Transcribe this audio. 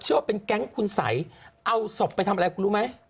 ว่าเป็นแก๊งคุณสัยเอาศพไปทำอะไรคุณรู้ไหม